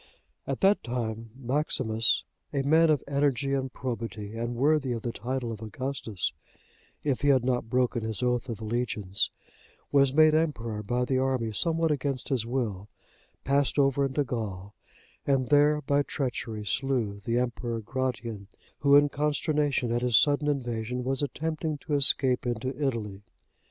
At that time, Maximus,(62) a man of energy and probity, and worthy of the title of Augustus, if he had not broken his oath of allegiance, was made emperor by the army somewhat against his will, passed over into Gaul, and there by treachery slew the Emperor Gratian, who in consternation at his sudden invasion, was attempting to escape into Italy.